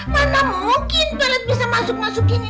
mana mungkin pelet bisa masuk masuk ini